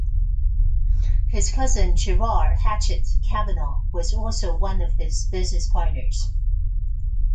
His cousin Gerard "Hatchet" Kavanagh was also one of his business partners.